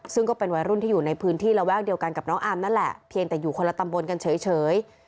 ซึ่งก็เป็นวัยรุ่นที่อยู่ในพื้นที่ระแวกเดียวกันกับน้องอาร์มนั่นแหละเพียงแต่อยู่คนละตำบลกันเฉย